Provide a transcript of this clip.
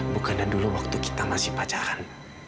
bukan dan dulu waktu kita masih pacaran